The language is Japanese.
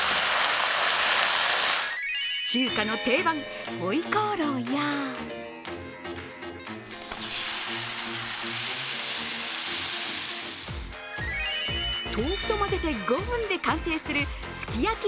中華の定番、回鍋肉や豆腐と混ぜて５分で完成するすきやき